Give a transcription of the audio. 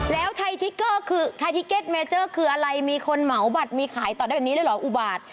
แล้วไทยทิเก็ตแมนเจอร์คืออะไรมีคนเหมาบัตรมีขายต่อแบบนี้เลยเหรออุบาท